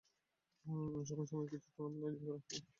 সময়ে সময়ে এখানে কিছু টুর্নামেন্ট আয়োজন করা হয়, চলে নানা রকম মেলা।